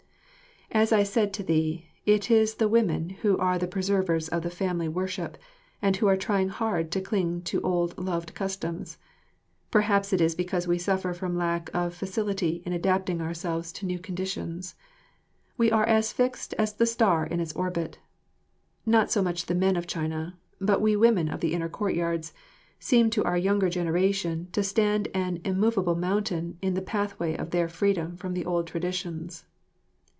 As I said to thee, it is the women who are the preservers of the family worship and who are trying hard to cling to old loved customs. Perhaps it is because we suffer from lack of facility in adapting ourselves to new conditions. We are as fixed as the star in its orbit. Not so much the men of China but we women of the inner courtyards seem to our younger generation to stand an immovable mountain in the pathway of their freedom from the old traditions.